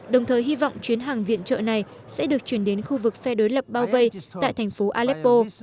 đồng thời hy vọng chuyến hàng viện trợ này sẽ được chuyển đến khu vực phe đối lập bao vây tại thành phố aleppo